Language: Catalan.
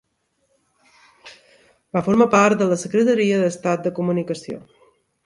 Va formar part de la Secretaria d'Estat de Comunicació.